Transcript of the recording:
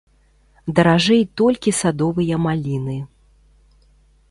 Даражэй толькі садовыя маліны.